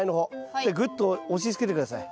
でぐっと押しつけて下さい。